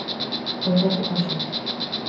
O trato coa xente.